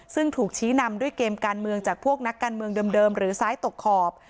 ซึ่งถูกชี้นำด้วยเกมการเมืองจากพวกนักการเมืองเดิมหรือซ้ายตกขอบ